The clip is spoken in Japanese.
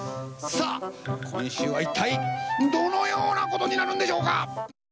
今週は一体どのようなことになるんでしょうか。